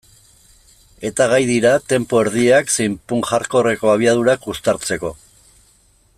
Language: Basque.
Eta gai dira tempo erdiak zein punk-hardcoreko abiadurak uztartzeko.